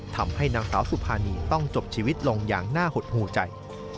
ทำให้นางสาวสุภานีต้องจบชีวิตลงอย่างน่าหดหูใจ